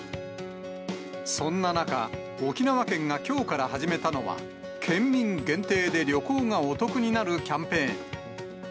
そんな中、沖縄県がきょうから始めたのが県民限定で旅行がお得になるキャンペーン。